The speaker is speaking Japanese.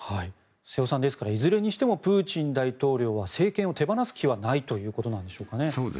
瀬尾さんですから、いずれにしてもプーチン大統領は政権を手放す気はないということなんですかね。